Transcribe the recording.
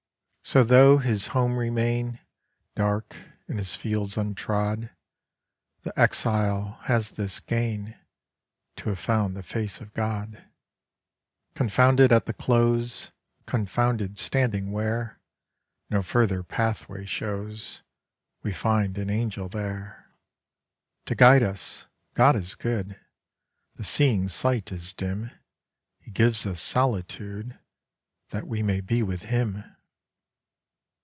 So tho' his home remain Dark, and his fields untrod, The exile has this gain, To have found the face of God. Confounded at the close, Confounded standing where No further pathway shows, We find an angel there To guide us. God is good; The seeing sight is dim; He gives us solitude That we may be with Him.